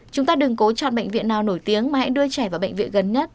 chúng ta đừng có chọn bệnh viện nào nổi tiếng mà hãy đưa trẻ vào bệnh viện gần nhất